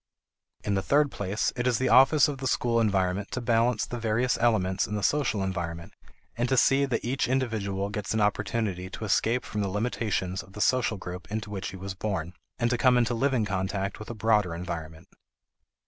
In the third place, it is the office of the school environment to balance the various elements in the social environment, and to see to it that each individual gets an opportunity to escape from the limitations of the social group in which he was born, and to come into living contact with a broader environment.